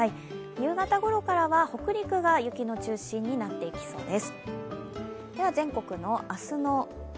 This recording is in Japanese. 夕方ごろからは北陸が雪の中心になっていきそうです。